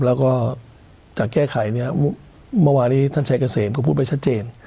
แล้วก็จากแก้ไขเนี่ยเมื่อวานี้ท่านชายเกษมก็พูดไปชัดเจน